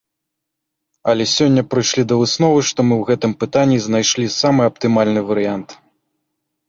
Але сёння прыйшлі да высновы, што мы ў гэтым пытанні знайшлі самы аптымальны варыянт.